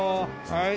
はい。